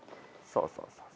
そうそうそう。